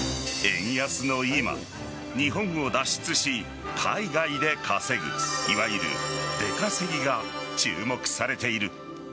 円安の今、日本を脱出し海外で稼ぐ、いわゆる出稼ぎが注目されている。